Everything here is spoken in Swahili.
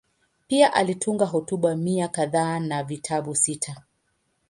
Pia alitunga hotuba mia kadhaa na vitabu sita.